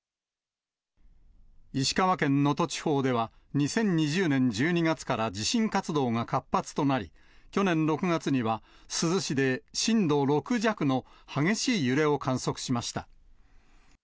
石川県能登地方では、２０２０年１２月から地震活動が活発となり、去年６月には、珠洲市で震度６弱の激しい揺れを観測しました。